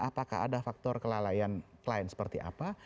apakah ada faktor kelalaian klien seperti apa